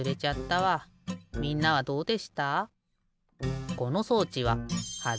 みんなはどうでした？